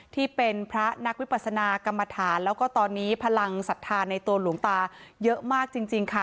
ที่เป็นพระนักวิปัสนากรรมฐานแล้วก็ตอนนี้พลังศรัทธาในตัวหลวงตาเยอะมากจริงค่ะ